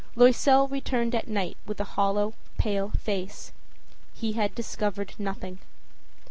Loisel returned at night with a hollow, pale face. He had discovered nothing.